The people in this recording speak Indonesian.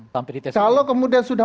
sampai dites kalau kemudian sudah